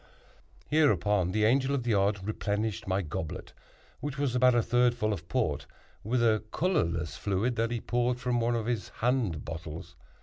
Hereupon the Angel of the Odd replenished my goblet (which was about a third full of Port) with a colorless fluid that he poured from one of his hand bottles.